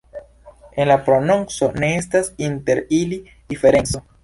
En la prononco ne estas inter ili diferenco.